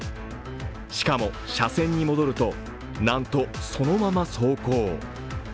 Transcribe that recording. しかも車線に戻ると、なんとそのまま走行。